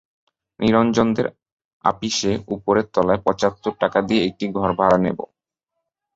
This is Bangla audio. নিরঞ্জনদের আপিসে উপরের তলায় পঁচাত্তর টাকা দিয়ে একটা ঘর ভাড়া নেব।